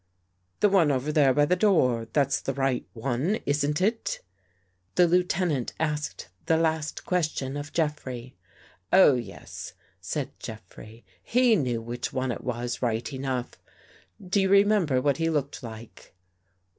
" The one over there by the door. That was the right one, wasn't it?" The Lieutenant asked the last question of Jeffrey. " Oh, yes," said Jeffrey. " He knew which one it was right enough. Do you remember what he looked like